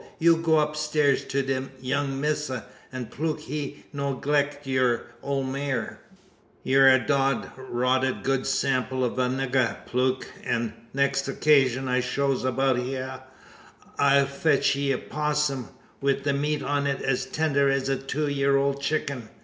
You gwup 'tairs to de young missa; an Plute he no 'gleck yar ole mar." "Yur a dod rotted good sample o' a nigger, Plute; an the nix occashun I shows about hyur, I'll fetch you a 'possum wi' the meat on it as tender as a two year old chicken.